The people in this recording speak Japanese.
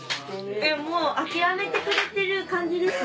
もう諦めてくれてる感じですね。